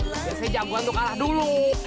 biasanya jagoan untuk kalah dulu